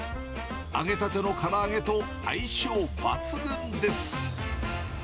揚げたてのから揚げと相性抜群です。